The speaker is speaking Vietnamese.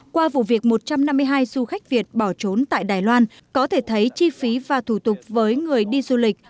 qua vụ việc một trăm năm mươi hai du khách việt bỏ trốn tại đài loan có thể thấy chi phí và thủ tục với người đi du lịch